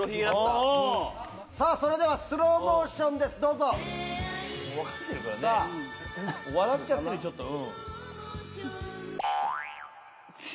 それではスローモーションですどうぞ。分かってるからね笑っちゃってるよちょっと。